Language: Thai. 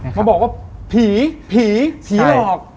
เขาบอกว่าผีผีหลอก